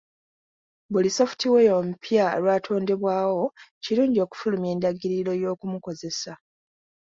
Buli software omupya lw'atondebwawo, kirungi okufulumya endagiriro y'okumukozesa.